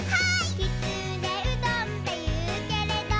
「きつねうどんっていうけれど」